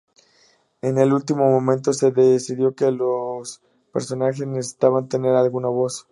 En el último momento se decidió que los personajes necesitaban tener alguna voz.